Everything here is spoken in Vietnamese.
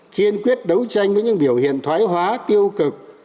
kiên quyết đấu tranh với những biểu hiện thoái hóa tiêu cực